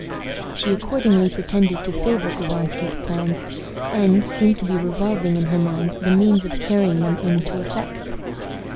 She accordingly pretended to favor Couvansky's plans, and seemed to be revolving in her mind the means of carrying them into effect.